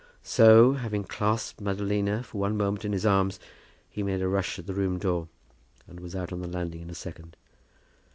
So, having clasped Madalina for one moment in his arms, he made a rush at the room door, and was out on the landing in a second.